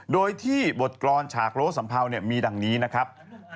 โดยที่บทกรอนฉากโลสัมพาวมีอย่างนี้นะครับ